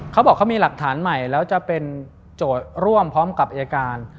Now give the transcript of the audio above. เขาบอกเขามีหลักฐานใหม่แล้วจะเป็นโจทย์ร่วมพร้อมกับอายการ